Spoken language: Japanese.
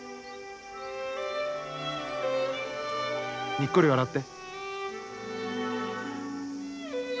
にっこり笑って。